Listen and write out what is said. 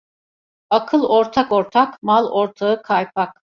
Akıl ortak ortak, mal ortağı kaypak.